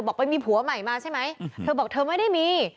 ไปมีผัวใหม่มาใช่ไหมเธอบอกเธอไม่ได้มี